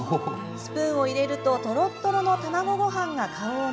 スプーンを入れるととろっとろの卵ごはんが顔をのぞかせる。